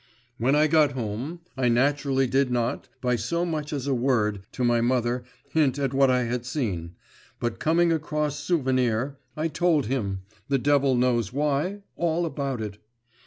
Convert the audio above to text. When I got home, I naturally did not, by so much as a word, to my mother, hint at what I had seen; but coming across Souvenir, I told him the devil knows why all about it.